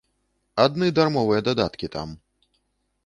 Адны дармовыя дадаткі там.